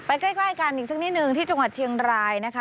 ใกล้กันอีกสักนิดนึงที่จังหวัดเชียงรายนะคะ